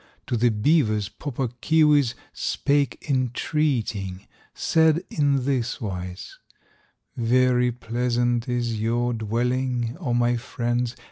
To the beavers Pau Puk Keewis Spake entreating, said in this wise: "Very pleasant is your dwelling, O my friends!